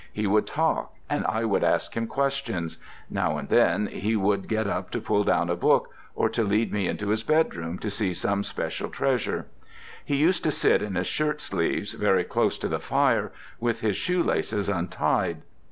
He would talk and I would ask him questions; now and then he would get up to pull down a book, or to lead me into his bedroom to see some special treasure. He used to sit in his shirtsleeves, very close to the fire, with his shoe laces untied.